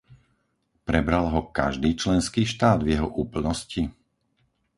Prebral ho každý členský štát v jeho úplnosti?